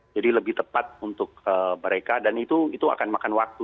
jadi lebih tepat untuk mereka dan itu akan makan waktu